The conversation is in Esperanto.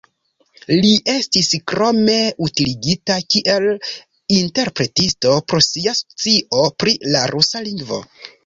Li estis krome utiligita kiel interpretisto pro sia scio pri la rusa lingvo.